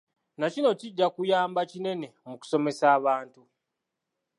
Nakino kijja kuyamba kinene mu kusomesa abantu.